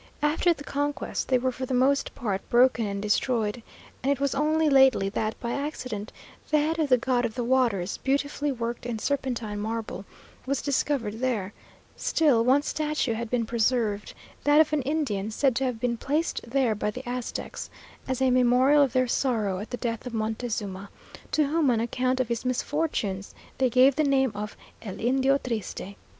After the conquest they were for the most part broken and destroyed, and it was only lately that, by accident, the head of the god of the waters, beautifully worked in serpentine marble, was discovered there; still, one statue had been preserved, that of an Indian, said to have been placed there by the Aztecs, as a memorial of their sorrow at the death of Montezuma, to whom, on account of his misfortunes, they gave the name of "el Indio triste."